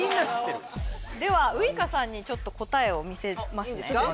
顔ではウイカさんにちょっと答えを見せますねいいんですか？